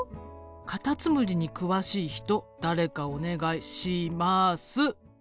「カタツムリに詳しい人誰かお願いします」と。